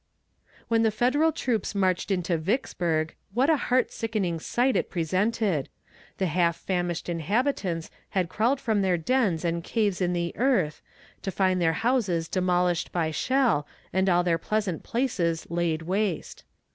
When the Federal troops marched into Vicksburg, what a heart sickening sight it presented; the half famished inhabitants had crawled from their dens and caves in the earth, to find their houses demolished by shell, and all their pleasant places laid waste.